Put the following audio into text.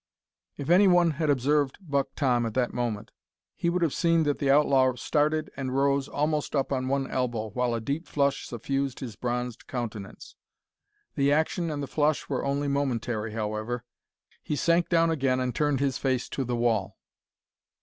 If any one had observed Buck Tom at that moment, he would have seen that the outlaw started and rose almost up on one elbow, while a deep flush suffused his bronzed countenance. The action and the flush were only momentary, however he sank down again and turned his face to the wall.